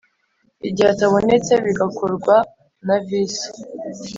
Igihe atabonetse bigakorwa na Visi.